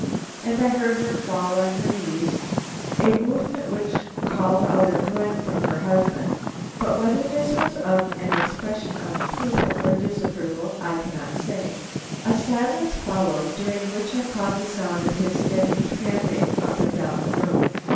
And I heard her fall on her knees, a movement which called out a grunt from her husband, but whether this was an expression of approval or disapproval I cannot say. A silence followed, during which I caught the sound of his steady tramping up and down the room.